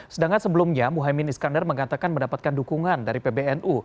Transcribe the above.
sedangkan sebelumnya muhaymin iskandar mengatakan mendapatkan dukungan dari pbnu